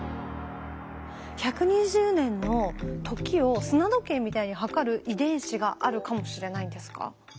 １２０年の時を砂時計みたいに計る遺伝子があるかもしれないんですか？